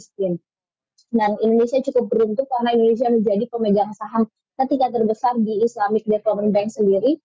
indonesia cukup beruntung karena indonesia menjadi pemegang saham ketiga terbesar di islamic development bank sendiri